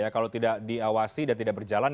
kalau tidak diawasi dan tidak berjalan